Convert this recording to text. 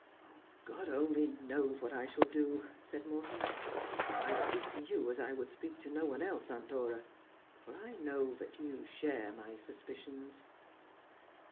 ' God only knows what I shall do,' said Morton. ' I speak to you as I would speak to no one else, Aunt Dora ; for I know that you share my suspicions.'